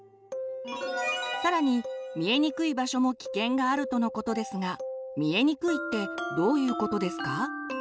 更に見えにくい場所も危険があるとのことですが「見えにくい」ってどういうことですか？